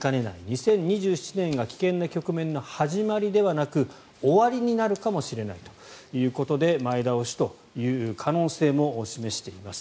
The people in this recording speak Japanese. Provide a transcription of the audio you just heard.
２０２７年が危険な局面の始まりではなく終わりになるかもしれないということで前倒しという可能性も示しています。